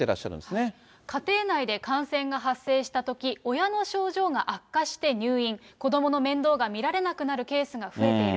家庭内で感染が発生したとき、親の症状が悪化して入院、子どもの面倒が見られなくなるケースが増えている。